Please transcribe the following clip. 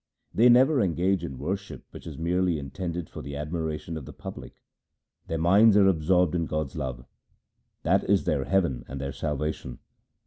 They never engage in worship which is merely intended for the admiration of the public. Their minds are absorbed in God's love. That is their heaven and their salvation.